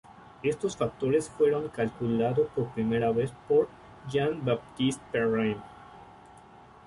Estos factores fueron calculado por primera vez por Jean-Baptiste Perrin.